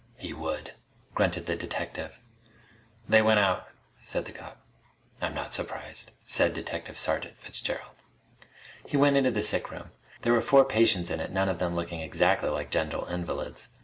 "He would," grunted the detective. "They want out," said the cop. "I'm not surprised," said Detective Sergeant Fitzgerald. He went into the sick room. There were four patients in it, none of them looking exactly like gentle invalids.